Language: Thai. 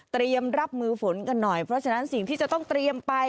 เตรียมรับมือฝนกันหน่อยเพราะฉะนั้นสิ่งที่จะต้องเตรียมไป